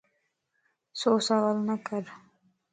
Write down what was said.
سو سوالَ نه ڪر